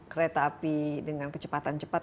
kereta api dengan kecepatan cepat